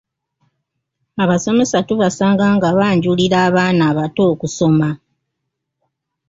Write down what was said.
Abasomesa tubasanga nga banjulira abaana abato okusoma.